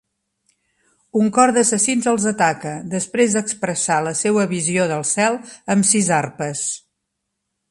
Un 'cor d'assassins' els ataca, després d'expressar la seua visió del cel, 'amb sis arpes'.